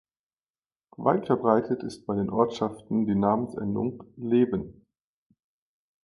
Weit verbreitet ist bei den Ortschaften die Namensendung „-leben“.